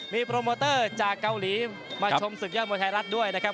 มีโปรโมเตอร์จากเกาหลีมาชมศึกยอดมวยไทยรัฐด้วยนะครับ